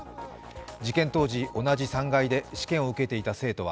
事件当時、同じ３階で試験を受けていた生徒は